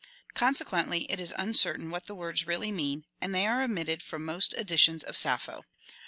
Consequently it is uncertain what the words really mean, and they are omitted from most editions of Sappho.